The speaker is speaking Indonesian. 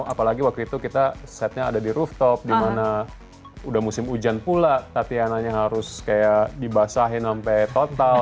apalagi waktu itu kita setnya ada di rooftop dimana udah musim hujan pula tatiananya harus kayak dibasahin sampai total